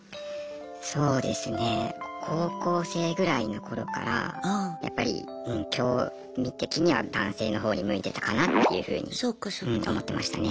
そうですね高校生ぐらいの頃からやっぱり興味的には男性の方に向いてたかなっていうふうに思ってましたね。